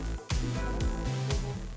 pembelian snack di bioskop